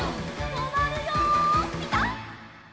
とまるよピタ！